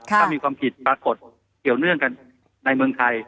ถ้ามีความผิดปรากฏเกี่ยวเนื่องกันในเมืองไทย